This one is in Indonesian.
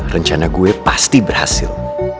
rencana gue pasti berhasil